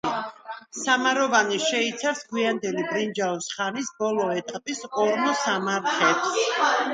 სამაროვანი შეიცავს გვიანდელი ბრინჯაოს ხანის ბოლო ეტაპის ორმოსამარხებს.